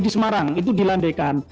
di semarang itu dilandaikan